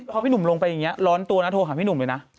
พอพี่หนุ่มลงไปอย่างนี้ร้อนตัวนะโทรหาพี่หนุ่มเลยนะ